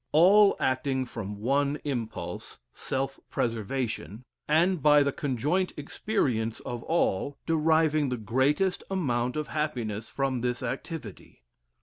All acting from one impulse (self preservation,) and by the conjoint experience of all, deriving the greatest amount of happiness from this activity.